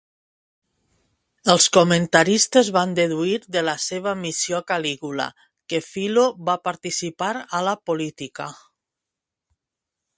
Els comentaristes van deduir de la seva missió a Calígula que Philo va participar a la política.